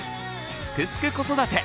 「すくすく子育て」